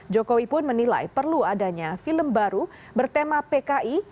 jokowi pun menilai perlu adanya film baru bertema pki